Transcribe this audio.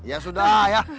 ya sudah ya